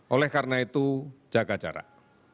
oleh karena itu jaga jarak